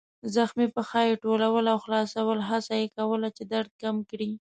زخمي پښه يې ټولول او خلاصول، هڅه یې کوله چې درد کم کړي.